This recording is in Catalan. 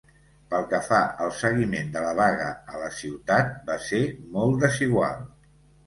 Pel que fa al seguiment de la vaga a la ciutat, va ser molt desigual.